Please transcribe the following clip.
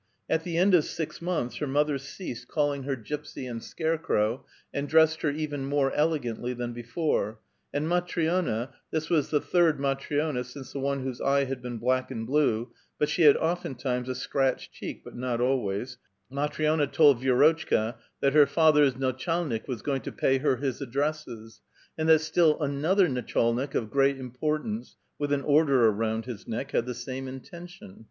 At the end of six months her mother ceased calling her A VITAL QUESTION. 15 gypsy and scarecrow, and dressed her even more elegantly than before, and MatrL6na — this was tlie third Matri6na since the one whose eye had been black and blue, but she had oftentimes a scratched cheek, but not always — Matri 6na told Vi^rotclika that her father's natchaJnik was going to pay her his addresses, and that still another natchalnik of great importance, with an order around his neck, had the Fame intention.